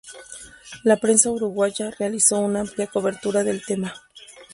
La prensa uruguaya realizó una amplia cobertura del tema.